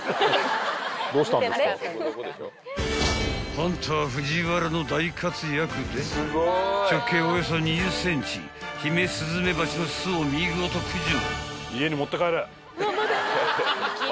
［ハンターふぢわらの大活躍で直径およそ２０ｃｍヒメスズメバチの巣を見事駆除］